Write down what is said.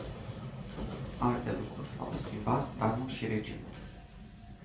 Alte lucruri s-au schimbat, dar nu și regimul.